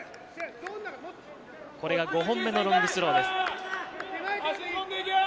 これが５本目のロングスローです。